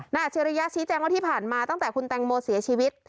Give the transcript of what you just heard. อาจริยะชี้แจงว่าที่ผ่านมาตั้งแต่คุณแตงโมเสียชีวิต